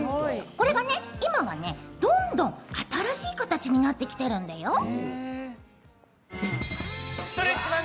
これがね、今はどんどん新しい形になってきているんだよ。